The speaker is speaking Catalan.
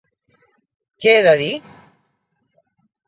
Què he de dir?